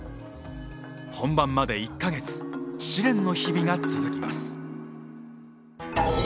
本番まで１か月試練の日々が続きます。